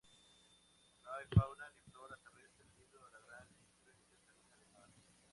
No hay fauna ni flora terrestre, debido a la gran influencia salina del mar.